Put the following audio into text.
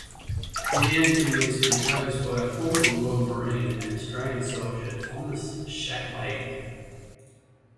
The anthem was composed by a former Royal Marine and Australian soldier, Thomas Shacklady.